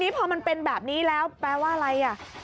พอปั๊ดเครื่องแล้วไม่แตกนะครับ